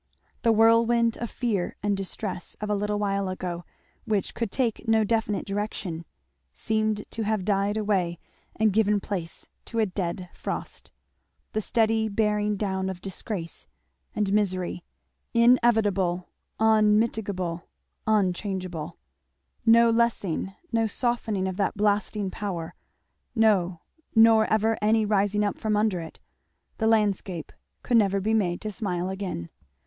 The whirlwind of fear and distress of a little while ago which could take no definite direction, seemed to have died away and given place to a dead frost the steady bearing down of disgrace and misery, inevitable, unmitigable, unchangeable; no lessening, no softening of that blasting power, no, nor ever any rising up from under it; the landscape could never be made to smile again.